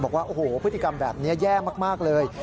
บอกว่าโอ้โหพฤติกรรมแบบนี้แย่มากเลย